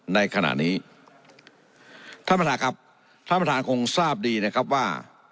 ในขณะนี้ท่านประธานครับท่านประธานคงทราบดีนะครับว่า